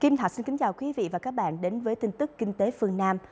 kim thạch xin kính chào quý vị và các bạn đến với tin tức kinh tế phương nam